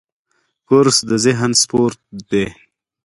کورس د ذهن سپورټ دی.